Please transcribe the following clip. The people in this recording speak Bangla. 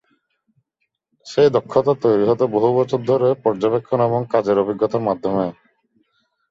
সেই দক্ষতা তৈরি হত বহু বছর ধরে পর্যবেক্ষণ এবং কাজের অভিজ্ঞতার মাধ্যমে।